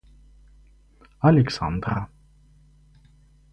Александра